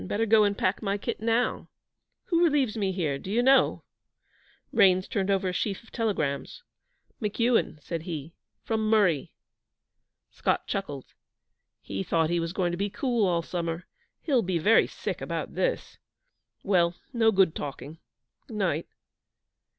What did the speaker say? Better go and pack my kit now. Who relieves me here do you know?' Raines turned over a sheaf of telegrams. 'McEuan,' said he, 'from Murree.' Scott chuckled. 'He thought he was going to be cool all summer. He'll be very sick about this. Well, no good talking. Night.'